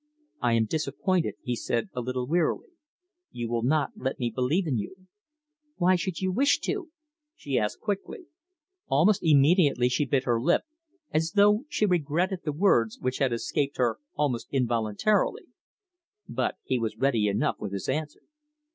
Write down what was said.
"I am disappointed," he said, a little wearily. "You will not let me believe in you." "Why should you wish to?" she asked quickly Almost immediately she bit her lip, as though she regretted the words, which had escaped her almost involuntarily. But he was ready enough with his answer.